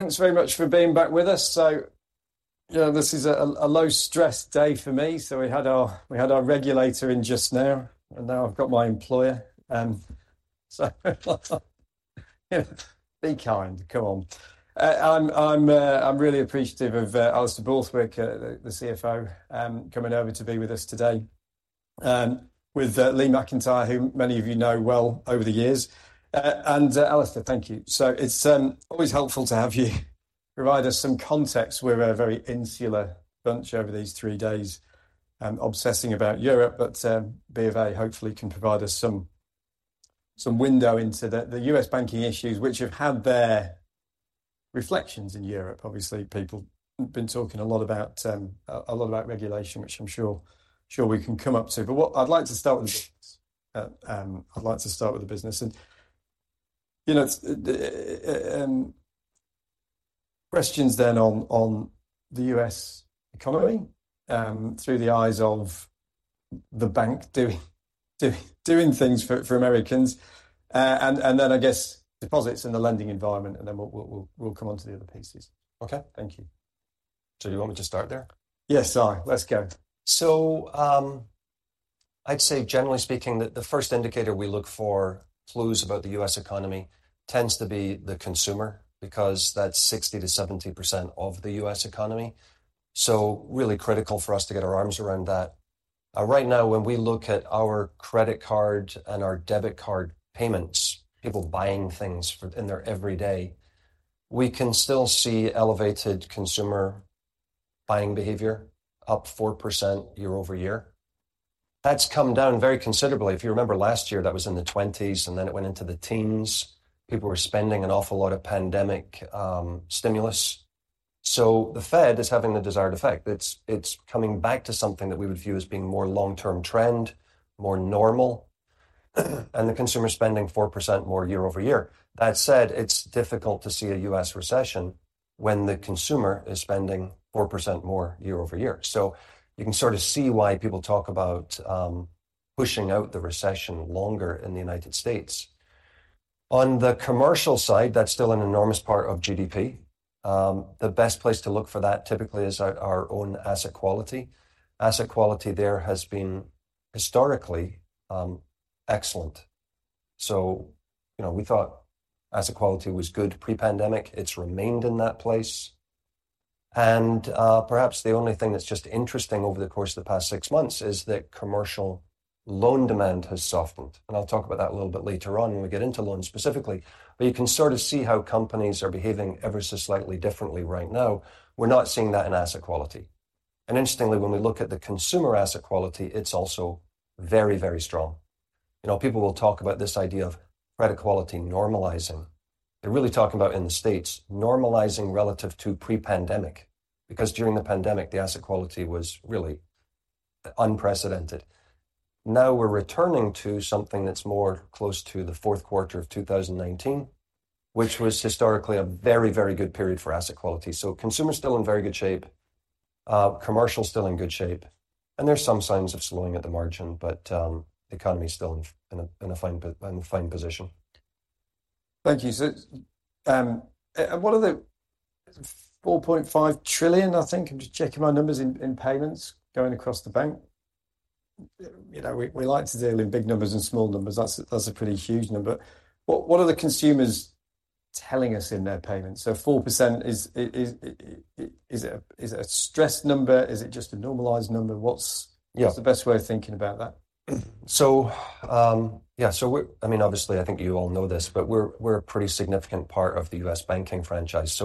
Thanks very much for being back with us. So, you know, this is a low-stress day for me. So we had our regulator in just now, and now I've got my employer. So be kind, come on. I'm really appreciative of Alastair Borthwick, the CFO, coming over to be with us today, with Lee McEntire, who many of you know well over the years. And Alastair, thank you. So it's always helpful to have you provide us some context. We're a very insular bunch over these three days, obsessing about Europe, but BofA hopefully can provide us some window into the U.S. banking issues, which have had their reflections in Europe. Obviously, people have been talking a lot about, a lot about regulation, which I'm sure we can come up to. What I'd like to start with, I'd like to start with the business and, you know, it's, questions then on, on the U.S. economy, through the eyes of the bank doing things for Americans, and, I guess, deposits in the lending environment, and then we'll come on to the other pieces. Okay? Thank you. You want me to start there? Yes, sorry. Let's go. I'd say, generally speaking, that the first indicator we look for clues about the U.S. economy tends to be the consumer, because that's 60%-70% of the U.S. economy, so really critical for us to get our arms around that. Right now, when we look at our credit card and our debit card payments, people buying things for, in their everyday, we can still see elevated consumer buying behavior, up 4% year-over-year. That's come down very considerably. If you remember last year, that was in the 20s, and then it went into the teens. People were spending an awful lot of pandemic stimulus. The Fed is having the desired effect. It's coming back to something that we would view as being more long-term trend, more normal, and the consumer spending 4% more year-over-year. That said, it's difficult to see a U.S. recession when the consumer is spending 4% more year-over-year. You can sort of see why people talk about pushing out the recession longer in the United States. On the commercial side, that's still an enormous part of GDP. The best place to look for that, typically, is our own asset quality. Asset quality there has been historically excellent. You know, we thought asset quality was good pre-pandemic. It's remained in that place, and perhaps the only thing that's just interesting over the course of the past six months is that commercial loan demand has softened, and I'll talk about that a little bit later on when we get into loans specifically. You can sort of see how companies are behaving ever so slightly differently right now. We're not seeing that in asset quality. Interestingly, when we look at the consumer asset quality, it's also very, very strong. You know, people will talk about this idea of credit quality normalizing. They're really talking about in the U.S., normalizing relative to pre-pandemic, because during the pandemic, the asset quality was really unprecedented. Now, we're returning to something that's more close to the fourth quarter of 2019, which was historically a very, very good period for asset quality. Consumers still in very good shape, commercial still in good shape, and there's some signs of slowing at the margin, but the economy is still in fine position. Thank you, so, and what are the $4.5 trillion, I think, I'm just checking my numbers, in payments going across the bank? You know, we like to deal in big numbers and small numbers. That's a pretty huge number. What are the consumers telling us in their payments? So 4% is a stressed number? Is it just a normalized number? What's- Yeah. What's the best way of thinking about that? Yeah, we're-- I mean, obviously, I think you all know this, but we're a pretty significant part of the U.S. banking franchise.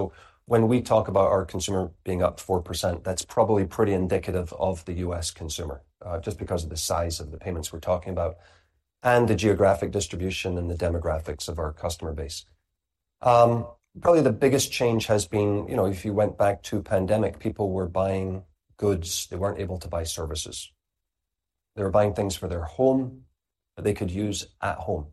When we talk about our consumer being up 4%, that's probably pretty indicative of the U.S. consumer, just because of the size of the payments we're talking about and the geographic distribution and the demographics of our customer base. Probably the biggest change has been, you know, if you went back to pandemic, people were buying goods. They weren't able to buy services. They were buying things for their home that they could use at home.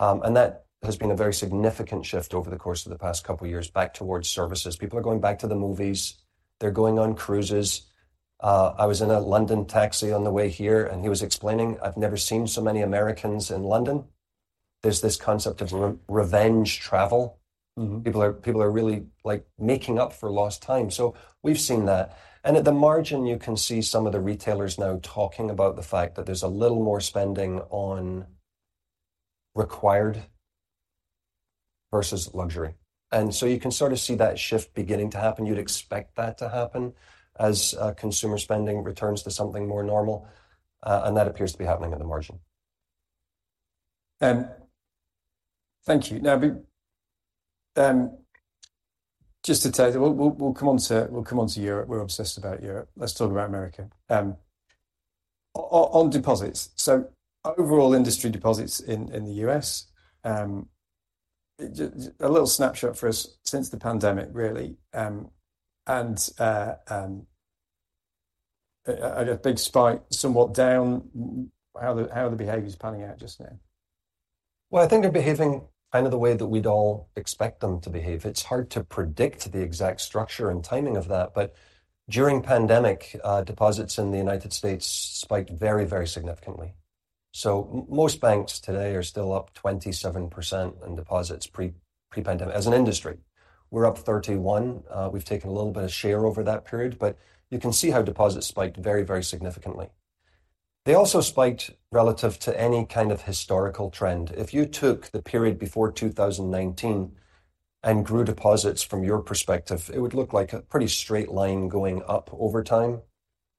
That has been a very significant shift over the course of the past couple of years back towards services. People are going back to the movies. They're going on cruises. I was in a London taxi on the way here, and he was explaining, I've never seen so many Americans in London. There's this concept of revenge travel. People are, people are really, like, making up for lost time. So we've seen that, and at the margin, you can see some of the retailers now talking about the fact that there's a little more spending on required versus luxury. And so you can sort of see that shift beginning to happen. You'd expect that to happen as consumer spending returns to something more normal, and that appears to be happening at the margin. Thank you. Now, just to tell you, we'll come on to Europe. We're obsessed about Europe. Let's talk about America, on deposits. So overall industry deposits in the U.S., a little snapshot for us since the pandemic really, and a big spike, somewhat down, how are the behaviors panning out just now? Well, I think they're behaving kind of the way that we'd all expect them to behave. It's hard to predict the exact structure and timing of that, but during pandemic, deposits in the United States spiked very, very significantly. Most banks today are still up 27% in deposits pre, pre-pandemic. As an industry, we're up 31%, we've taken a little bit of share over that period, but you can see how deposits spiked very, very significantly. They also spiked relative to any kind of historical trend. If you took the period before 2019 and grew deposits from your perspective, it would look like a pretty straight line going up over time,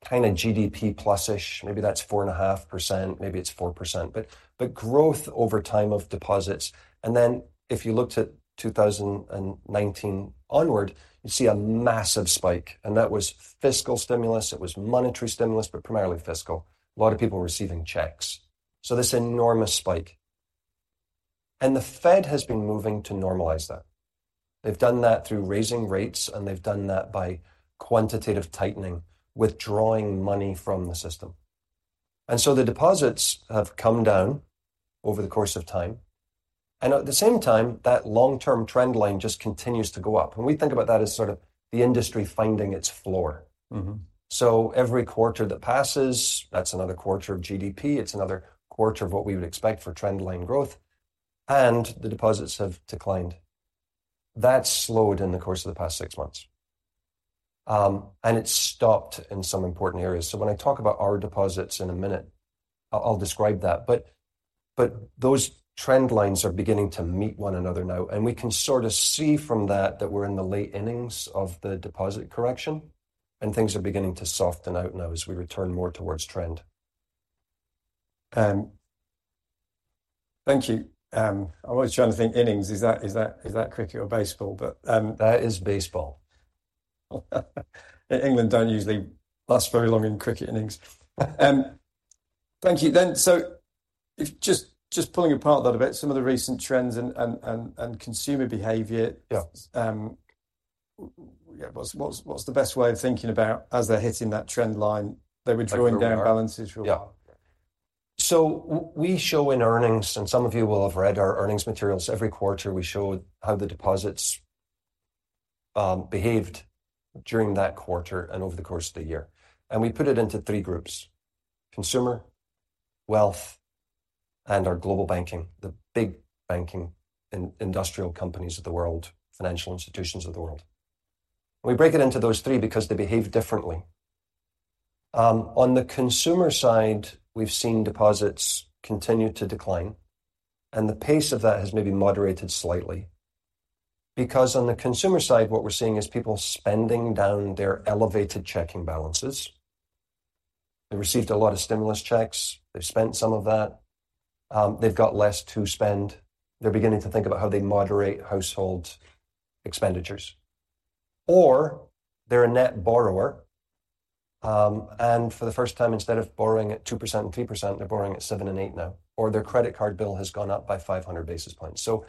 kind of GDP plussish, maybe that's 4.5%, maybe it's 4%. But growth over time of deposits, and then if you looked at 2019 onward, you'd see a massive spike, and that was fiscal stimulus; it was monetary stimulus, but primarily fiscal. A lot of people receiving checks, so this enormous spike. And the Fed has been moving to normalize that. They've done that through raising rates, and they've done that by quantitative tightening, withdrawing money from the system. And so the deposits have come down over the course of time, and at the same time, that long-term trend line just continues to go up. And we think about that as sort of the industry finding its floor. So every quarter that passes, that's another quarter of GDP, it's another quarter of what we would expect for trend line growth, and the deposits have declined. That slowed in the course of the past six months, and it stopped in some important areas. So when I talk about our deposits in a minute, I'll describe that, but those trend lines are beginning to meet one another now, and we can sort of see from that that we're in the late innings of the deposit correction, and things are beginning to soften out now as we return more towards trend. Thank you. I'm always trying to think innings, is that cricket or baseball? That is baseball. England don't usually last very long in cricket innings. Thank you. If just, just pulling apart that a bit, some of the recent trends and, and, and, and consumer behavior- Yeah. Yeah, what's the best way of thinking about as they're hitting that trend line, they were drawing down balances? Yeah. So we show in earnings, and some of you will have read our earnings materials. Every quarter, we show how the deposits behaved during that quarter and over the course of the year, and we put it into three groups: Consumer, Wealth, and our Global Banking, the big banking and industrial companies of the world, financial institutions of the world. We break it into those three because they behave differently. On the Consumer side, we've seen deposits continue to decline, and the pace of that has maybe moderated slightly. Because on the Consumer side, what we're seeing is people spending down their elevated checking balances. They received a lot of stimulus checks, they've spent some of that. They've got less to spend. They're beginning to think about how they moderate household expenditures, or they're a net borrower, and for the first time, instead of borrowing at 2% and 3%, they're borrowing at 7%-8% now, or their credit card bill has gone up by 500 basis points. So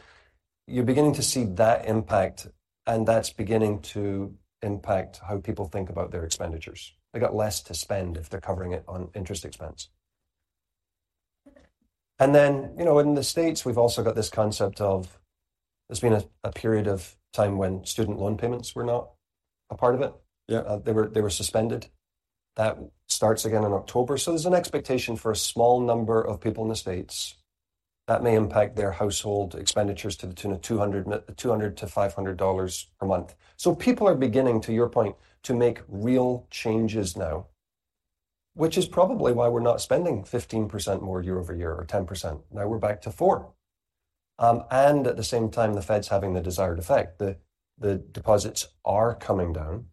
you're beginning to see that impact, and that's beginning to impact how people think about their expenditures. They got less to spend if they're covering it on interest expense. And then, you know, in the States, we've also got this concept of there's been a period of time when student loan payments were not a part of it. Yeah. They were, they were suspended. That starts again in October. There's an expectation for a small number of people in the States that may impact their household expenditures to the tune of $200-$500 per month. People are beginning, to your point, to make real changes now, which is probably why we're not spending 15% more year-over-year or 10%. Now we're back to 4%. At the same time, the Fed's having the desired effect. The deposits are coming down,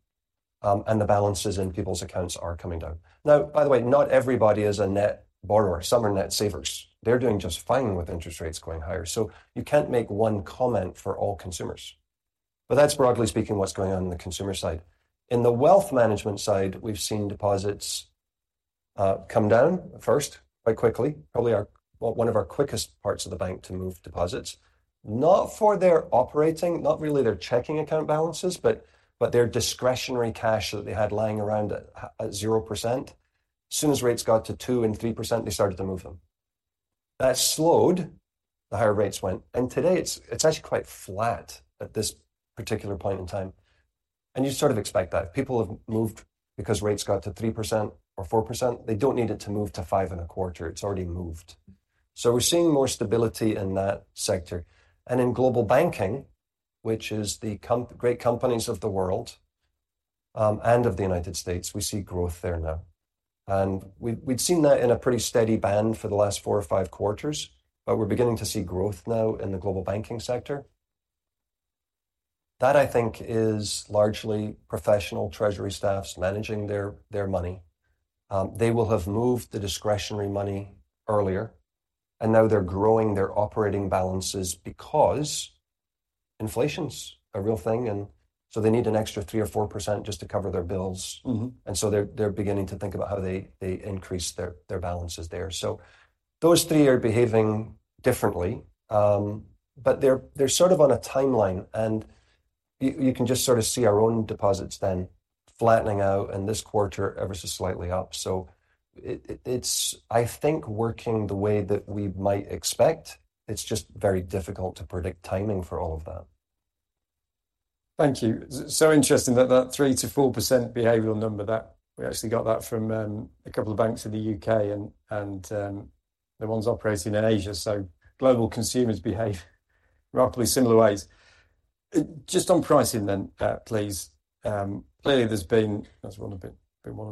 and the balances in people's accounts are coming down. By the way, not everybody is a net borrower, some are net savers. They're doing just fine with interest rates going higher, so you can't make one comment for all consumers. That's, broadly speaking, what's going on in the consumer side. In the Wealth Management side, we've seen deposits come down first, quite quickly, probably our—well, one of our quickest parts of the bank to move deposits. Not for their operating, not really their checking account balances, but their discretionary cash that they had lying around at 0%. Soon as rates got to 2% and 3%, they started to move them. That slowed, the higher rates went, and today it's actually quite flat at this particular point in time. And you sort of expect that. People have moved because rates got to 3% or 4%, they don't need it to move to 5.25%, it's already moved. So we're seeing more stability in that sector. And in Global Banking, which is the corporate, great companies of the world, and of the United States, we see growth there now. We'd seen that in a pretty steady band for the last 4 or 5 quarters, but we're beginning to see growth now in the Global Banking sector. That, I think, is largely professional treasury staffs managing their money. They will have moved the discretionary money earlier, and now they're growing their operating balances because inflation's a real thing, and so they need an extra 3%-4% just to cover their bills. And so they're beginning to think about how they increase their balances there. So those three are behaving differently, but they're sort of on a timeline, and you can just sort of see our own deposits then flattening out in this quarter, ever so slightly up. So it's, I think, working the way that we might expect. It's just very difficult to predict timing for all of that. Thank you. It's so interesting that 3%-4% behavioral number, that we actually got that from a couple of banks in the U.K. and the ones operating in Asia. So global consumers behave roughly similar ways. Just on pricing then, please. Clearly that's been one of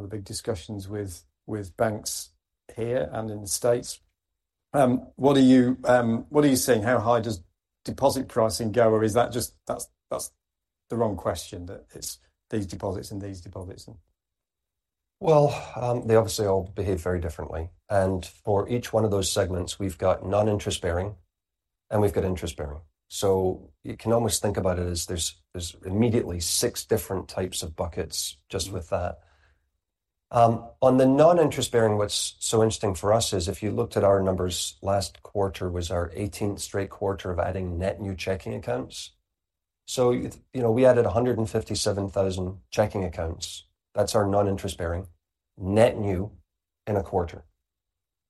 the big discussions with banks here and in the States. What are you seeing? How high does deposit pricing go, or is that just- that's the wrong question, that it's these deposits and these deposits and- Well, they obviously all behave very differently. And for each one of those segments, we've got non-interest bearing, and we've got interest bearing. So you can almost think about it as there's immediately six different types of buckets just with that. On the non-interest bearing, what's so interesting for us is, if you looked at our numbers, last quarter was our 18 straight quarter of adding net new checking accounts. So, you know, we added 157,000 checking accounts. That's our non-interest bearing, net new in a quarter.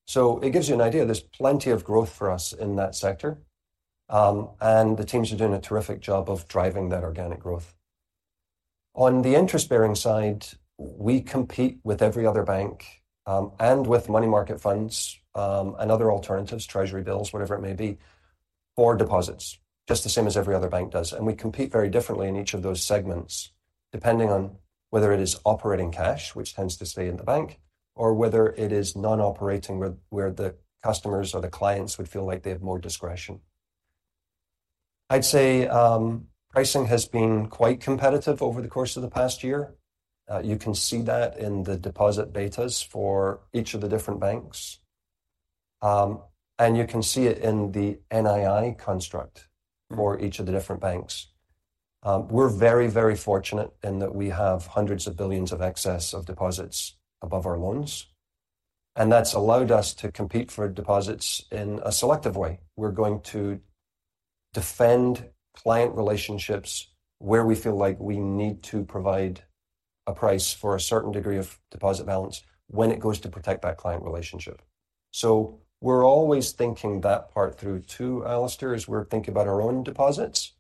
So it gives you an idea. There's plenty of growth for us in that sector. And the teams are doing a terrific job of driving that organic growth. On the interest-bearing side, we compete with every other bank, and with money market funds, and other alternatives, treasury bills, whatever it may be, for deposits, just the same as every other bank does. We compete very differently in each of those segments, depending on whether it is operating cash, which tends to stay in the bank, or whether it is non-operating, where the customers or the clients would feel like they have more discretion. I'd say pricing has been quite competitive over the course of the past year. You can see that in the deposit betas for each of the different banks, and you can see it in the NII construct for each of the different banks. We're very, very fortunate in that we have hundreds of billions of excess of deposits above our loans, and that's allowed us to compete for deposits in a selective way. We're going to defend client relationships where we feel like we need to provide a price for a certain degree of deposit balance when it goes to protect that client relationship. We're always thinking that part through, too, Alastair, as we're thinking about our own deposits.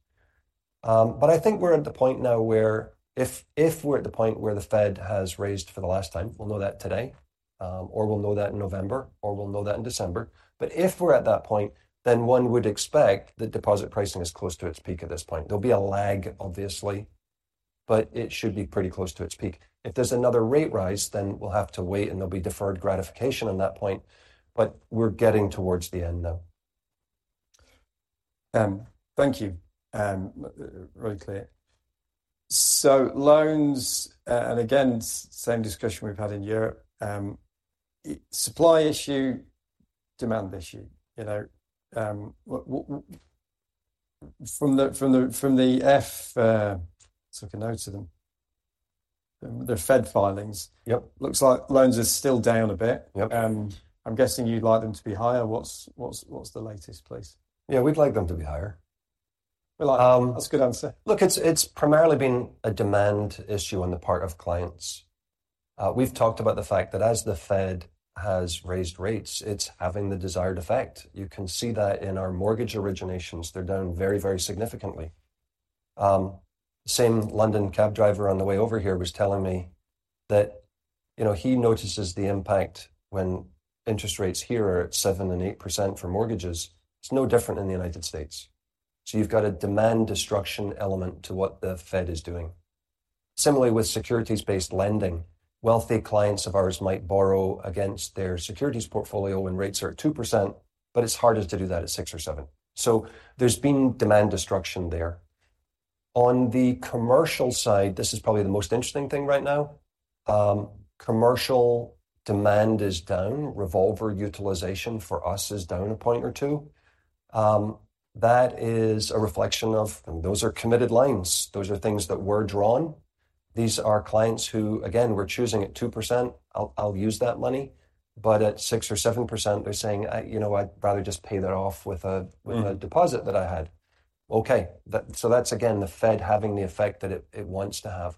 I think we're at the point now where if we're at the point where the Fed has raised for the last time, we'll know that today, or we'll know that in November, or we'll know that in December. If we're at that point, then one would expect that deposit pricing is close to its peak at this point. There'll be a lag, obviously, but it should be pretty close to its peak. If there's another rate rise, then we'll have to wait, and there'll be deferred gratification on that point, but we're getting towards the end, though. Thank you, really clear. So loans, and again, same discussion we've had in Europe, supply issue, demand issue, you know. From the Fed, took a note of them, the Fed filings- Yep. Looks like loans are still down a bit. Yep. I'm guessing you'd like them to be higher. What's the latest, please? Yeah, we'd like them to be higher. That's a good answer. Look, it's, it's primarily been a demand issue on the part of clients. We've talked about the fact that as the Fed has raised rates, it's having the desired effect. You can see that in our mortgage originations, they're down very, very significantly. Same London cab driver on the way over here was telling me that, you know, he notices the impact when interest rates here are at 7% and 8% for mortgages. It's no different in the United States. You've got a demand destruction element to what the Fed is doing. Similarly, with securities-based lending, wealthy clients of ours might borrow against their securities portfolio when rates are at 2%, but it's harder to do that at 6% or 7%. There's been demand destruction there. On the Commercial side, this is probably the most interesting thing right now, Commercial demand is down. Revolver utilization for us is down a point or two. That is a reflection of... Those are committed lines. Those are things that were drawn. These are clients who, again, we're choosing at 2%, I'll, I'll use that money," but at 6% or 7%, they're saying, I... You know, I'd rather just pay that off with a With a deposit that I had. Okay, so that's again, the Fed having the effect that it, it wants to have.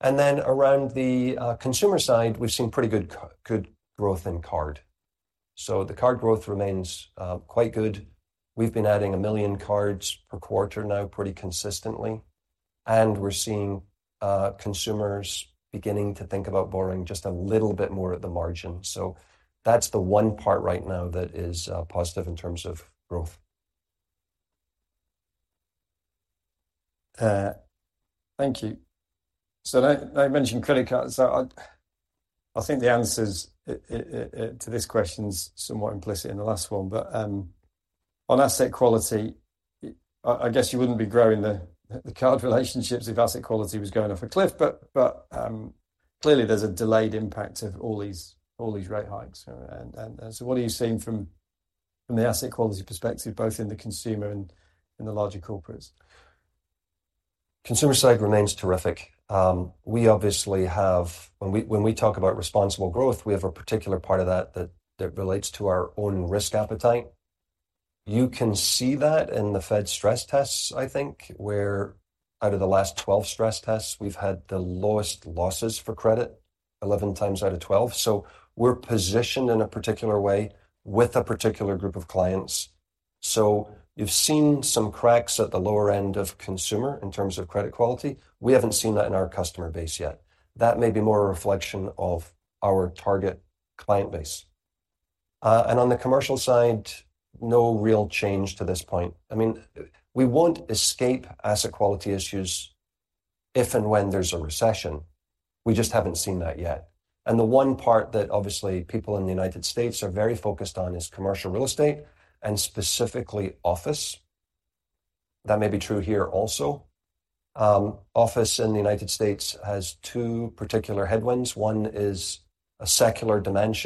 And then around the consumer side, we've seen pretty good growth in card. So the card growth remains quite good. We've been adding 1 million cards per quarter now, pretty consistently, and we're seeing consumers beginning to think about borrowing just a little bit more at the margin. So that's the one part right now that is positive in terms of growth. Thank you. So now you mentioned credit cards. So I think the answers to this question is somewhat implicit in the last one. But on asset quality, I guess you wouldn't be growing the card relationships if asset quality was going off a cliff, but clearly there's a delayed impact of all these rate hikes. And so what are you seeing from the asset quality perspective, both in the consumer and in the larger corporates? Consumer side remains terrific. We obviously have... When we, when we talk about responsible growth, we have a particular part of that, that, that relates to our own risk appetite. You can see that in the Fed stress tests, I think, where out of the last 12 stress tests, we've had the lowest losses for credit. 11x out of 12. So we're positioned in a particular way with a particular group of clients. So you've seen some cracks at the lower end of consumer in terms of credit quality. We haven't seen that in our customer base yet. That may be more a reflection of our target client base. And on the Commercial side, no real change to this point. I mean, we won't escape asset quality issues if and when there's a recession, we just haven't seen that yet. The one part that obviously people in the United States are very focused on is commercial real estate and specifically office. That may be true here also. Office in the United States has two particular headwinds. One is a secular demand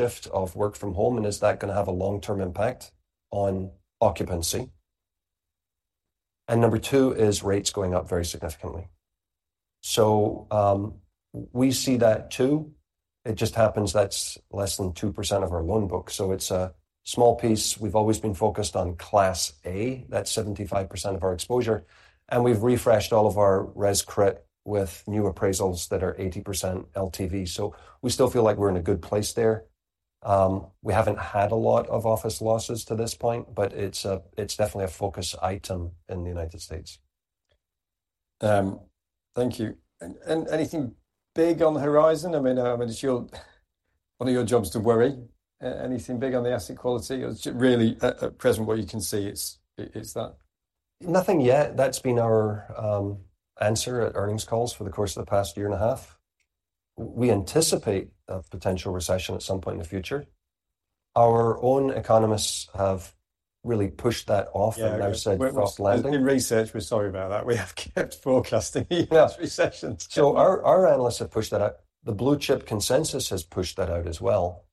shift of work from home, and is that gonna have a long-term impact on occupancy? Number two is rates going up very significantly. We see that too. It just happens that's less than 2% of our loan book, so it's a small piece. We've always been focused on Class A. That's 75% of our exposure, and we've refreshed all of our risk ratings with new appraisals that are 80% LTV. So we still feel like we're in a good place there. We haven't had a lot of office losses to this point, but it's definitely a focus item in the United States. Thank you. And anything big on the horizon? I mean, I mean, it's your—one of your jobs to worry. Anything big on the Asset Quality? Or is it really, at present, what you can see it's, it's that? Nothing yet. That's been our answer at earnings calls for the course of the past year and a half. We anticipate a potential recession at some point in the future. Our own economists have really pushed that off- Yeah. And now said soft landing. In research, we're sorry about that. We have kept forecasting these recessions. So our analysts have pushed that out. The Blue Chip consensus has pushed that out as well.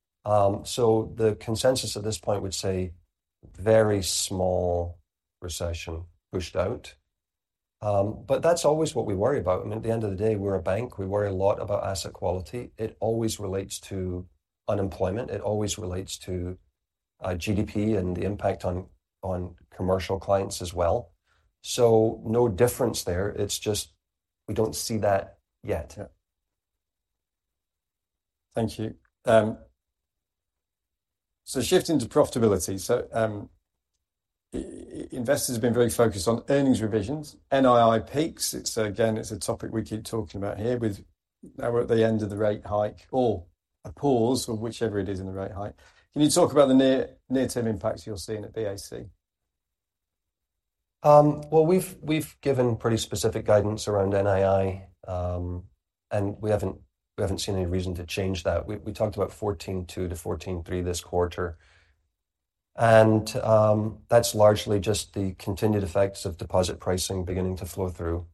So the consensus at this point would say, very small recession pushed out. But that's always what we worry about, and at the end of the day, we're a bank. We worry a lot about asset quality. It always relates to unemployment. It always relates to GDP and the impact on commercial clients as well. So no difference there. It's just we don't see that yet. Thank you. So shifting to profitability. So, investors have been very focused on earnings revisions, NII peaks. It's, again, it's a topic we keep talking about here with... Now we're at the end of the rate hike or a pause or whichever it is in the rate hike. Can you talk about the near, near-term impacts you're seeing at BAC? Well, we've given pretty specific guidance around NII, and we haven't seen any reason to change that. We talked about $14.2 billion-$14.3 billion this quarter, and that's largely just the continued effects of deposit pricing beginning to flow through.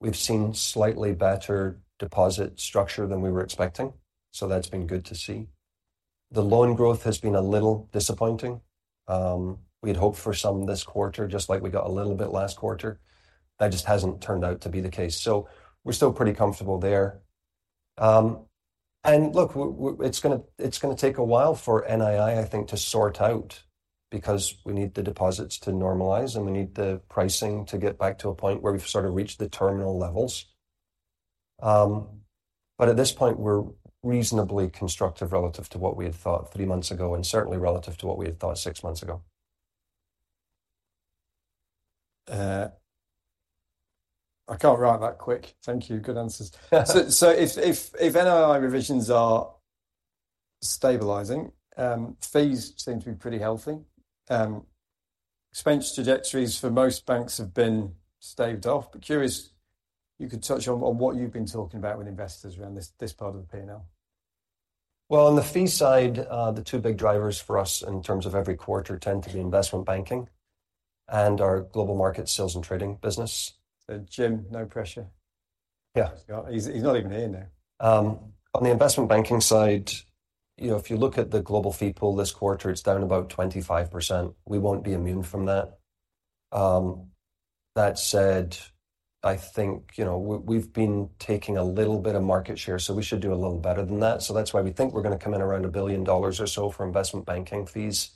We've seen slightly better deposit structure than we were expecting, so that's been good to see. The loan growth has been a little disappointing. We'd hoped for some this quarter, just like we got a little bit last quarter. That just hasn't turned out to be the case. So we're still pretty comfortable there. And look, it's gonna take a while for NII, I think, to sort out because we need the deposits to normalize, and we need the pricing to get back to a point where we've sort of reached the terminal levels. But at this point, we're reasonably constructive relative to what we had thought three months ago, and certainly relative to what we had thought six months ago. I can't write that quick. Thank you. Good answers. So if NII revisions are stabilizing, fees seem to be pretty healthy. Expense trajectories for most banks have been staved off. But curious, you could touch on what you've been talking about with investors around this part of the P&L. Well, on the fee side, the two big drivers for us in terms of every quarter tend to be investment banking and our global market sales and trading business. Jim, no pressure. Yeah. He's not even here now. On the investment banking side, you know, if you look at the global fee pool this quarter, it's down about 25%. We won't be immune from that. That said, I think, you know, we've been taking a little bit of market share, so we should do a little better than that. That's why we think we're gonna come in around $1 billion or so for investment banking fees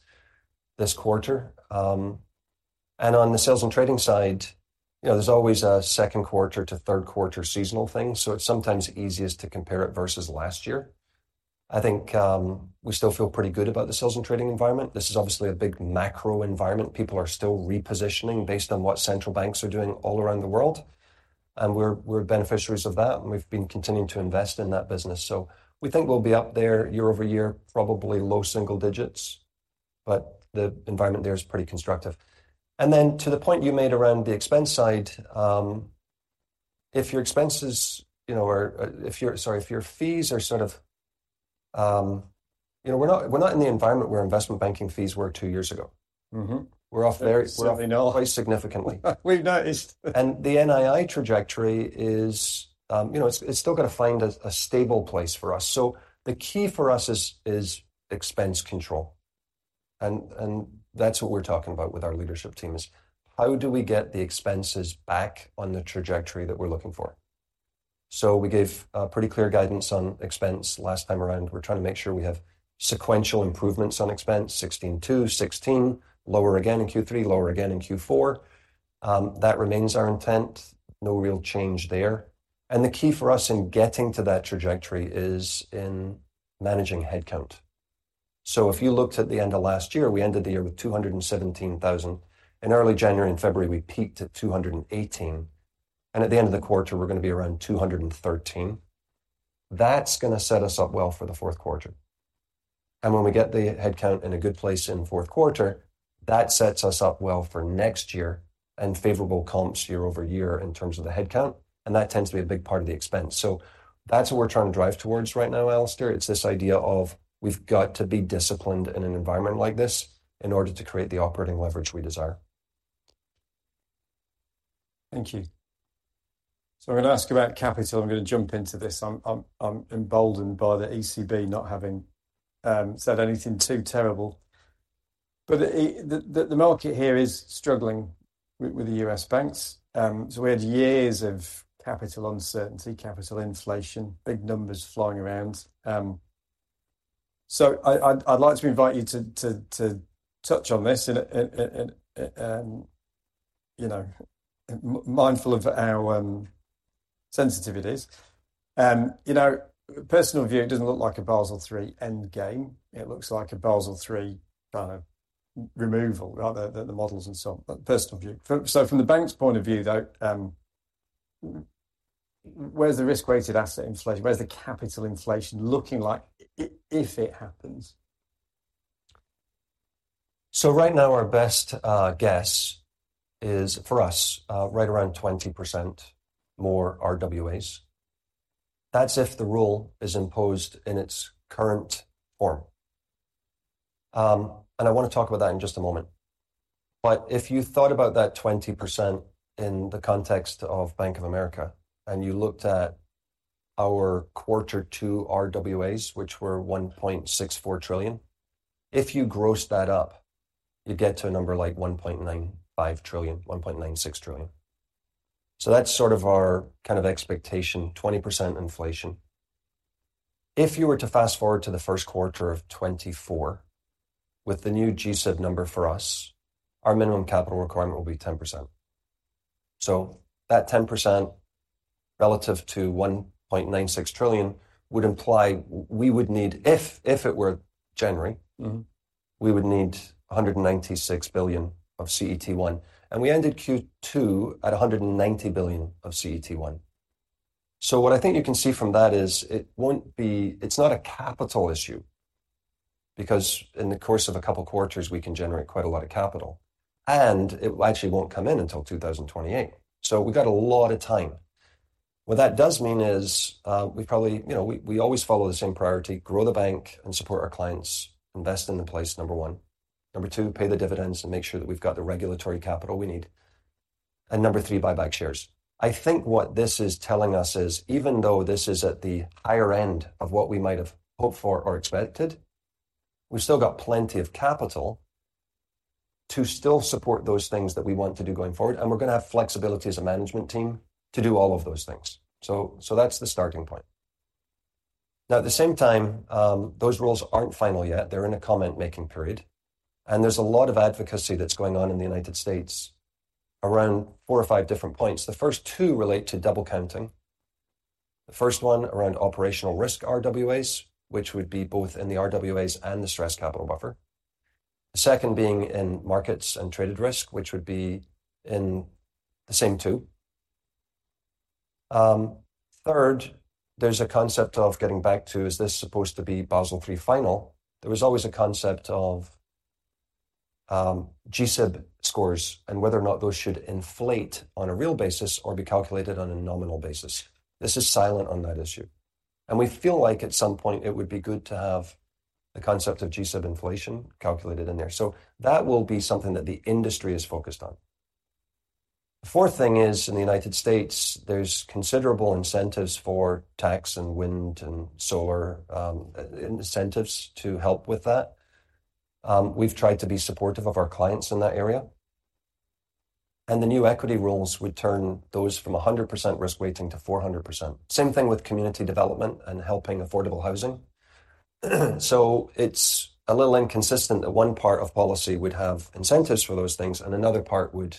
this quarter. On the sales and trading side, you know, there's always a second quarter to third quarter seasonal thing, so it's sometimes easiest to compare it versus last year. I think, you know, we still feel pretty good about the sales and trading environment. This is obviously a big macro environment. People are still repositioning based on what central banks are doing all around the world, and we're beneficiaries of that, and we've been continuing to invest in that business. So we think we'll be up there year-over-year, probably low single-digits, but the environment there is pretty constructive. And then to the point you made around the expense side, sorry, if your fees are sort of, you know, we're not in the environment where investment banking fees were two years ago. We're off very- Definitely no... quite significantly. We've noticed. And the NII trajectory is, you know, it's, it's still gonna find a stable place for us. So the key for us is expense control, and that's what we're talking about with our leadership team: How do we get the expenses back on the trajectory that we're looking for? So we gave a pretty clear guidance on expense last time around. We're trying to make sure we have sequential improvements on expense, 16.2, 16, lower again in Q3, lower again in Q4. That remains our intent. No real change there. And the key for us in getting to that trajectory is in managing headcount. So if you looked at the end of last year, we ended the year with 217,000. In early January and February, we peaked at 218, and at the end of the quarter, we're going to be around 213. That's going to set us up well for the fourth quarter. When we get the headcount in a good place in the fourth quarter, that sets us up well for next year and favorable comps year over year in terms of the headcount, and that tends to be a big part of the expense. That's what we're trying to drive towards right now, Alastair. It's this idea of we've got to be disciplined in an environment like this in order to create the operating leverage we desire. Thank you. So I'm going to ask you about capital. I'm going to jump into this. I'm emboldened by the ECB not having said anything too terrible. But the market here is struggling with the U.S. banks. So we had years of capital uncertainty, capital inflation, big numbers flying around. So I'd like to invite you to touch on this and you know, mindful of our sensitivities. You know, personal view, it doesn't look like a Basel III Endgame. It looks like a Basel III kind of removal, right, the models and so on, but personal view. So from the bank's point of view, though, where's the risk-weighted asset inflation? Where's the capital inflation looking like if it happens? So right now, our best guess is, for us, right around 20% more RWAs. That's if the rule is imposed in its current form. And I want to talk about that in just a moment. But if you thought about that 20% in the context of Bank of America, and you looked at our quarter two RWAs, which were 1.64 trillion, if you gross that up, you get to a number like 1.95 trillion, 1.96 trillion. So that's sort of our kind of expectation, 20% inflation. If you were to fast-forward to the first quarter of 2024 with the new GSIB number for us, our minimum capital requirement will be 10%. So that 10% relative to 1.96 trillion would imply we would need-- if it were January We would need $196 billion of CET1, and we ended Q2 at $190 billion of CET1. So what I think you can see from that is it won't be... it's not a capital issue, because in the course of a couple quarters, we can generate quite a lot of capital, and it actually won't come in until 2028. So we've got a lot of time. What that does mean is, we probably, you know, we always follow the same priority, grow the bank and support our clients, invest in the place, number one. Number two, pay the dividends and make sure that we've got the regulatory capital we need. And number three, buy back shares. I think what this is telling us is, even though this is at the higher end of what we might have hoped for or expected, we've still got plenty of capital to still support those things that we want to do going forward, and we're going to have flexibility as a management team to do all of those things. So that's the starting point. Now, at the same time, those rules aren't final yet. They're in a comment-making period, and there's a lot of advocacy that's going on in the United States around four or five different points. The first two relate to double counting. The first one around operational risk RWAs, which would be both in the RWAs and the Stress Capital Buffer. The second being in markets and traded risk, which would be in the same two. Third, there's a concept of getting back to, is this supposed to be Basel III final? There was always a concept of, GSIB scores and whether or not those should inflate on a real basis or be calculated on a nominal basis. This is silent on that issue, and we feel like at some point it would be good to have the concept of GSIB inflation calculated in there. So that will be something that the industry is focused on. The fourth thing is, in the United States, there's considerable incentives for tax and wind and solar, incentives to help with that. We've tried to be supportive of our clients in that area, and the new equity rules would turn those from 100% risk weighting to 400%. Same thing with community development and helping affordable housing. So it's a little inconsistent that one part of policy would have incentives for those things, and another part would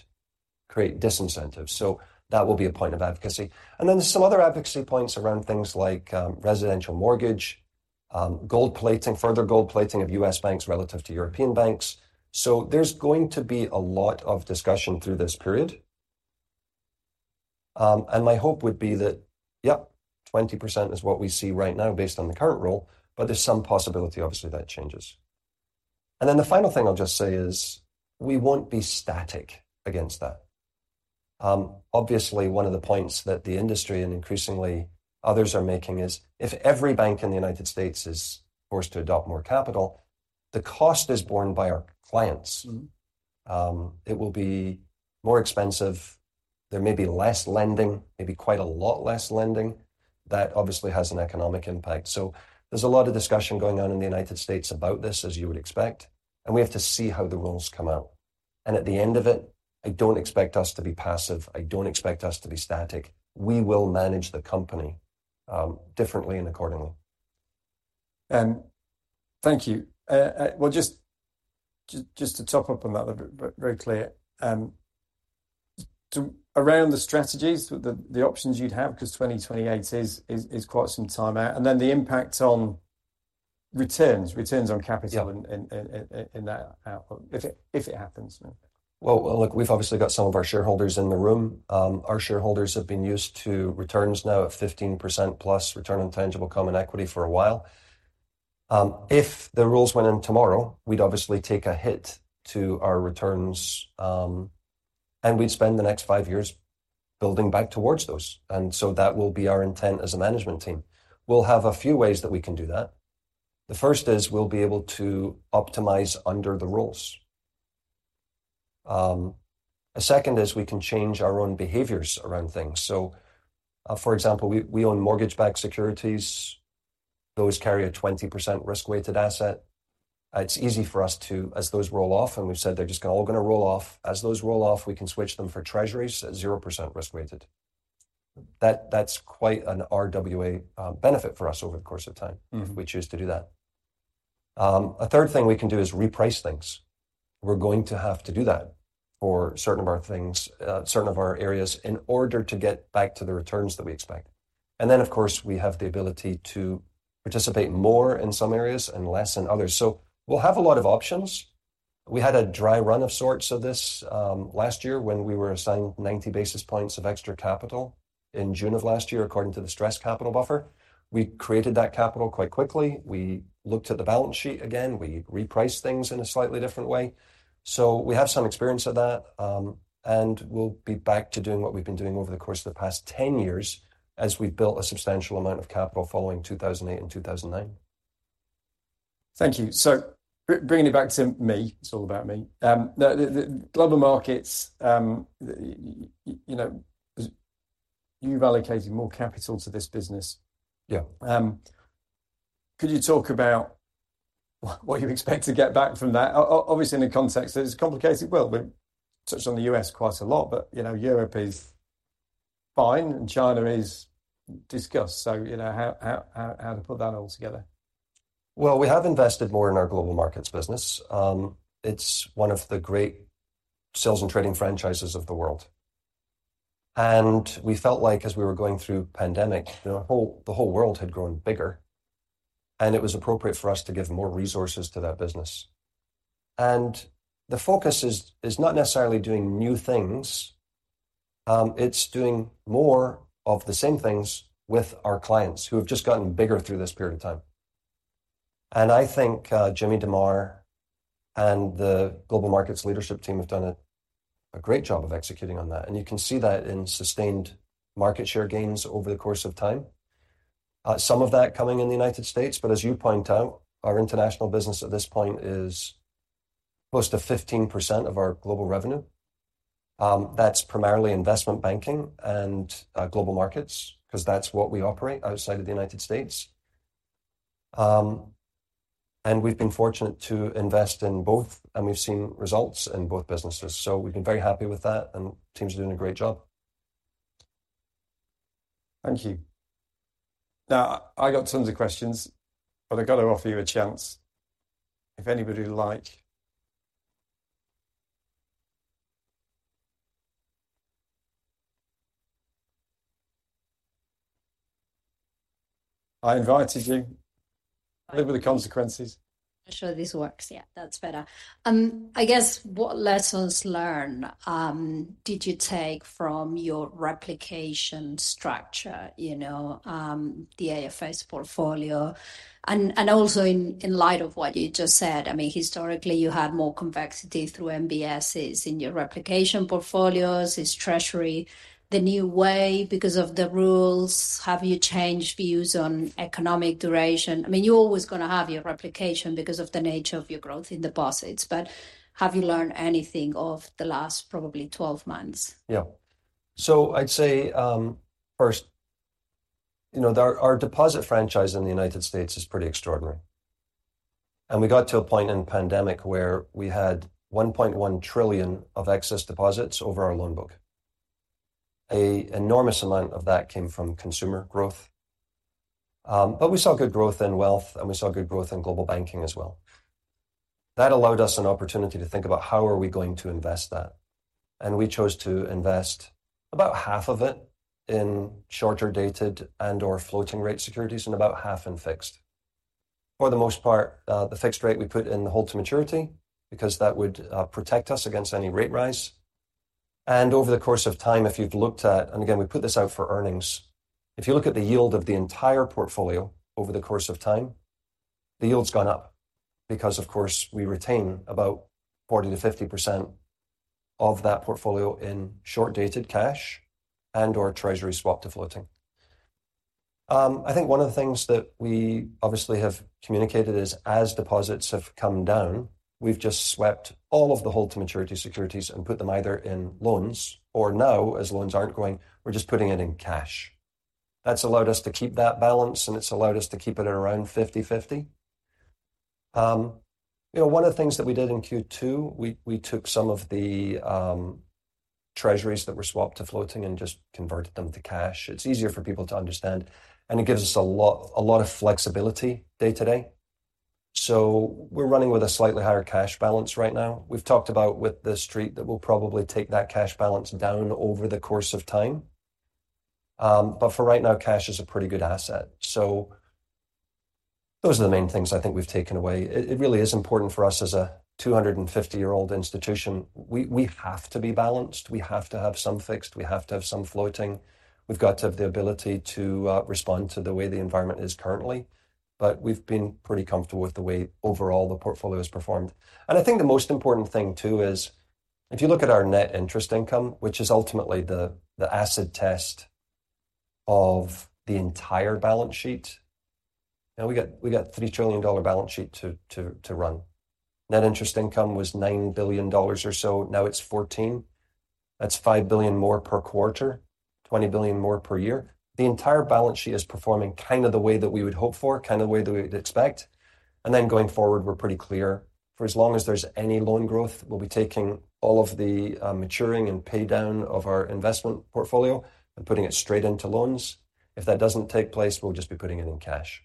create disincentives. So that will be a point of advocacy. And then there's some other advocacy points around things like residential mortgage, gold plating, further gold plating of U.S. banks relative to European banks. So there's going to be a lot of discussion through this period. And my hope would be that, yep, 20% is what we see right now based on the current rule, but there's some possibility, obviously, that changes. And then the final thing I'll just say is, we won't be static against that. Obviously, one of the points that the industry and increasingly others are making is, if every bank in the United States is forced to adopt more capital, the cost is borne by our clients. It will be more expensive. There may be less lending, maybe quite a lot less lending. That obviously has an economic impact. So there's a lot of discussion going on in the United States about this, as you would expect, and we have to see how the rules come out. And at the end of it, I don't expect us to be passive. I don't expect us to be static. We will manage the company, differently and accordingly. Thank you. Well, just, just, just to top up on that a bit, but very clear, to, around the strategies, the, the options you'd have, because 2028 is quite some time out, and then the impact on returns, returns on capital- Yeah. and that out if it happens. Well, look, we've obviously got some of our shareholders in the room. Our shareholders have been used to returns now at 15%+ return on tangible common equity for a while. If the rules went in tomorrow, we'd obviously take a hit to our returns, and we'd spend the next 5 years building back towards those. So that will be our intent as a management team. We'll have a few ways that we can do that. The first is we'll be able to optimize under the rules. A second is we can change our own behaviors around things. So, for example, we own mortgage-backed securities. Those carry a 20% risk-weighted asset. It's easy for us to, as those roll off, and we've said they're just all gonna roll off, as those roll off, we can switch them for Treasuries at 0% risk-weighted. That, that's quite an RWA benefit for us over the course of time- If we choose to do that. A third thing we can do is reprice things. We're going to have to do that for certain of our things, certain of our areas, in order to get back to the returns that we expect. And then, of course, we have the ability to participate more in some areas and less in others. So we'll have a lot of options. We had a dry run of sorts of this, last year when we were assigned 90 basis points of extra capital in June of last year, according to the Stress Capital Buffer. We created that capital quite quickly. We looked at the balance sheet again. We repriced things in a slightly different way. So we have some experience of that, and we'll be back to doing what we've been doing over the course of the past 10 years as we've built a substantial amount of capital following 2008 and 2009. Thank you. So bringing it back to me, it's all about me. The Global Markets, you know, you've allocated more capital to this business. Yeah. Could you talk about what you expect to get back from that? Obviously, in the context, it's complicated. Well, we've touched on the U.S. quite a lot, but, you know, Europe is fine, and China is discussed, so you know, how to put that all together? Well, we have invested more in our Global Markets business. It's one of the great sales and trading franchises of the world. We felt like as we were going through pandemic, the whole, the whole world had grown bigger, and it was appropriate for us to give more resources to that business. The focus is not necessarily doing new things, it's doing more of the same things with our clients, who have just gotten bigger through this period of time. I think, Jim DeMare and the Global Markets leadership team have done a great job of executing on that, and you can see that in sustained market share gains over the course of time. Some of that coming in the United States, but as you point out, our international business at this point is close to 15% of our global revenue. That's primarily Investment Banking and Global Markets, 'cause that's what we operate outside of the United States. And we've been fortunate to invest in both, and we've seen results in both businesses. So we've been very happy with that, and the team's doing a great job. Thank you. Now, I got tons of questions, but I've got to offer you a chance. If anybody would like. I invited you. Live with the consequences. Not sure this works. Yeah, that's better. I guess, what lessons learned did you take from your replication structure, you know, the AFS portfolio? And also in light of what you just said, I mean, historically, you had more convexity through MBSs in your replication portfolios. Is Treasury the new way because of the rules? Have you changed views on economic duration? I mean, you're always gonna have your replication because of the nature of your growth in deposits, but have you learned anything of the last, probably 12 months? Yeah. So I'd say, first, you know, our deposit franchise in the United States is pretty extraordinary, and we got to a point in the pandemic where we had $1.1 trillion of excess deposits over our loan book. An enormous amount of that came from consumer growth. But we saw good growth in wealth, and we saw good growth in Global Banking as well. That allowed us an opportunity to think about how are we going to invest that, and we chose to invest about half of it in shorter-dated and/or floating-rate securities and about half in fixed. For the most part, the fixed rate we put in the hold-to-maturity because that would protect us against any rate rise. Over the course of time, if you've looked at, and again, we put this out for earnings, if you look at the yield of the entire portfolio over the course of time, the yield's gone up because, of course, we retain about 40%-50% of that portfolio in short-dated cash and/or Treasury swap to floating. I think one of the things that we obviously have communicated is, as deposits have come down, we've just swept all of the hold-to-maturity securities and put them either in loans, or now, as loans aren't going, we're just putting it in cash. That's allowed us to keep that balance, and it's allowed us to keep it at around 50/50. You know, one of the things that we did in Q2, we took some of the treasuries that were swapped to floating and just converted them to cash. It's easier for people to understand, and it gives us a lot, a lot of flexibility day-to-day. So we're running with a slightly higher cash balance right now. We've talked about with the Street that we'll probably take that cash balance down over the course of time. But for right now, cash is a pretty good asset. So those are the main things I think we've taken away. It, it really is important for us as a 250-year-old institution. We, we have to be balanced. We have to have some fixed, we have to have some floating. We've got to have the ability to respond to the way the environment is currently, but we've been pretty comfortable with the way, overall, the portfolio has performed. I think the most important thing, too, is if you look at our net interest income, which is ultimately the acid test of the entire balance sheet, and we got a $3 trillion balance sheet to run. Net interest income was $9 billion or so. Now it's $14 billion. That's $5 billion more per quarter, $20 billion more per year. The entire balance sheet is performing kind of the way that we would hope for, kind of the way that we'd expect, and then going forward, we're pretty clear. For as long as there's any loan growth, we'll be taking all of the maturing and pay down of our investment portfolio and putting it straight into loans. If that doesn't take place, we'll just be putting it in cash.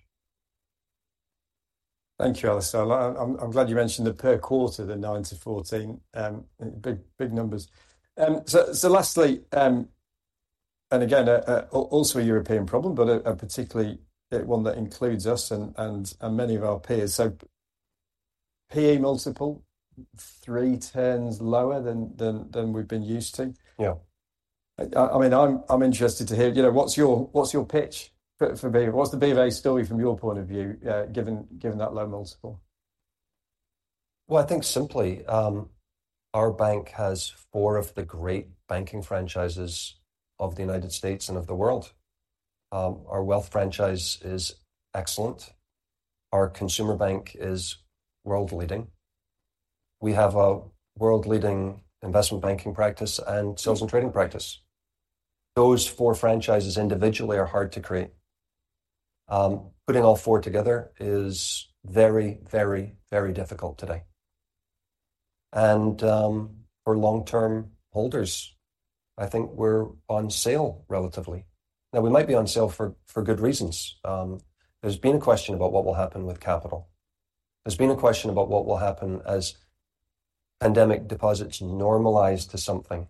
Thank you, Alastair. I'm glad you mentioned the per quarter, the $9 billion-$14 billion. Big, big numbers. So lastly, and again, also a European problem, but a particularly one that includes us and many of our peers. So PE multiple, three turns lower than we've been used to. Yeah. I mean, I'm interested to hear, you know, what's your pitch for BofA? What's the BofA story from your point of view, given that low multiple? Well, I think simply, our bank has four of the great banking franchises of the United States and of the world. Our Wealth franchise is excellent. Our Consumer bank is world-leading. We have a world-leading investment banking practice and sales and trading practice. Those four franchises individually are hard to create. Putting all four together is very, very, very difficult today. For long-term holders, I think we're on sale relatively. Now, we might be on sale for good reasons. There's been a question about what will happen with capital. There's been a question about what will happen as pandemic deposits normalize to something.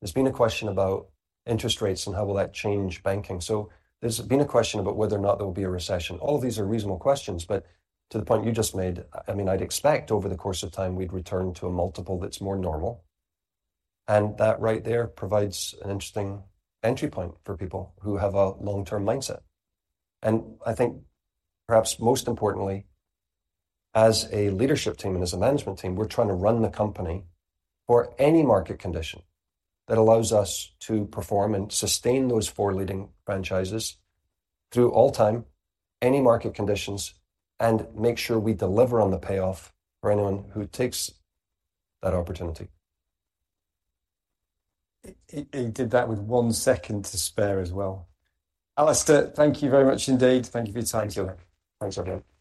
There's been a question about interest rates and how will that change banking. There's been a question about whether or not there will be a recession. All of these are reasonable questions, but to the point you just made, I mean, I'd expect over the course of time we'd return to a multiple that's more normal, and that right there provides an interesting entry point for people who have a long-term mindset. And I think perhaps most importantly, as a leadership team and as a management team, we're trying to run the company for any market condition that allows us to perform and sustain those four leading franchises through all time, any market conditions, and make sure we deliver on the payoff for anyone who takes that opportunity. You did that with one second to spare as well. Alastair, thank you very much indeed. Thank you for your time. Thank you. Thanks, everyone.